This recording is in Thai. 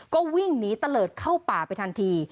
ก็วิ่งหนีตะเลิศเข้าป่าไปทันที